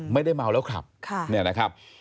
ไม่ได้เมาแล้วขับเนี่ยนะครับ